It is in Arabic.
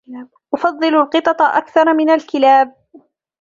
افضل القطط أكثر من الكلاب.